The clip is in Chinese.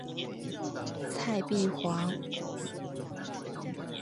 蔡璧煌。